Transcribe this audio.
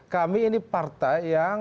kami ini partai yang